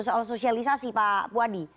soal sosialisasi pak puadi